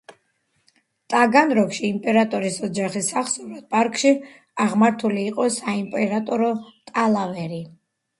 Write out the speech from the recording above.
ტაგანროგში იმპერატორის ოჯახის სახსოვრად პარკში აღმართული იყო „საიმპერატორო ტალავერი“.